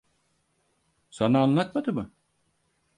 Sana anlatmadı mı?